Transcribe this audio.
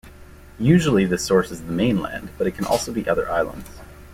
Usually this source is the mainland, but it can also be other islands.